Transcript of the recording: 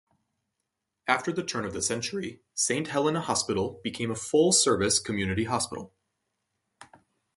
After the turn of the century, Saint Helena Hospital became a full-service community hospital.